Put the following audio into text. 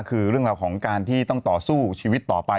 คือเรื่องราวของการที่ต้องต่อสู้ชีวิตต่อไป